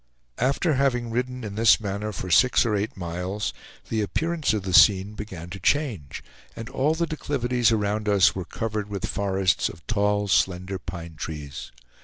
After having ridden in this manner for six or eight miles, the appearance of the scene began to change, and all the declivities around us were covered with forests of tall, slender pine trees.